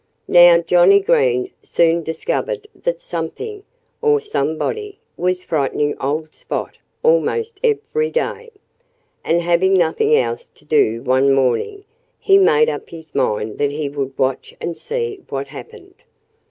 Now, Johnnie Green soon discovered that something or somebody was frightening old Spot almost every day. And having nothing else to do one morning, he made up his mind that he would watch and see what happened.